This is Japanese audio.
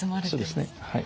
そうですねはい。